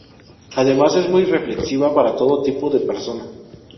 Además es muy reflexiva para todo tipo de persona